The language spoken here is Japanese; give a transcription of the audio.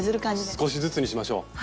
少しずつにしましょう。